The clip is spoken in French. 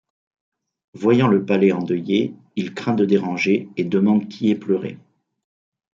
Voyant le palais endeuillé, il craint de déranger et demande qui est pleuré.